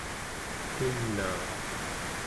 tunaa